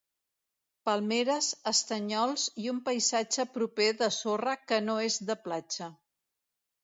Palmeres, estanyols i un paisatge proper de sorra que no és de platja.